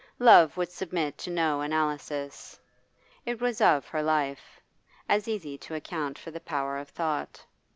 Love would submit to no analysis; it was of her life; as easy to account for the power of thought.